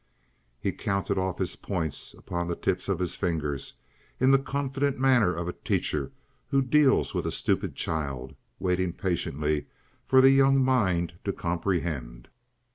He counted off his points upon the tips of his fingers, in the confident manner of a teacher who deals with a stupid child, waiting patiently for the young mind to comprehend.